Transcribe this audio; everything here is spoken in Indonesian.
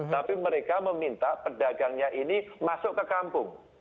tapi mereka meminta pedagangnya ini masuk ke kampung